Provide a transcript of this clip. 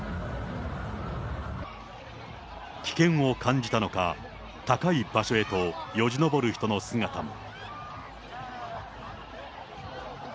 危険を感じたのか、高い場所へとよじ登る人の姿も。